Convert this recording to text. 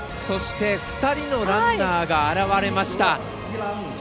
そして、２人のランナーが現れました。